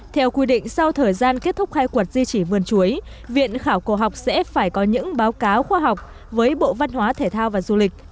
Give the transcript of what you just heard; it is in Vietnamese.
theo quy định sau thời gian kết thúc khai quật di trì vườn chuối viện khảo cổ học sẽ phải có những báo cáo khoa học với bộ văn hóa thể thao và du lịch